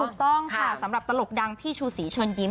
ถูกต้องค่ะสำหรับตลกดังพี่ชูศรีเชิญยิ้